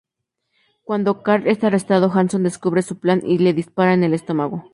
Cuando Carl es arrestado Jason descubre su plan y le dispara en el estómago.